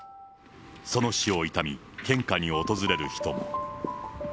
その死を悼み、献花に訪れる人も。